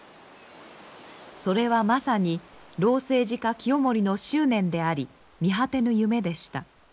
それはまさに老政治家清盛の執念であり見果てぬ夢でした。